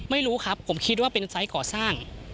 ไม่รู้ครับผมคิดว่าเป็นไซส์ก่อสร้าง